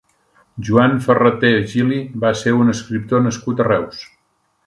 Joan Ferraté Gili va ser un escriptor nascut a Reus.